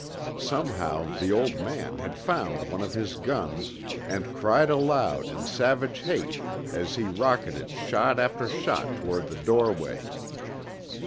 Somehow the old man had found one of his guns, and cried aloud in savage hate as he rocketed shot after shot toward the doorway.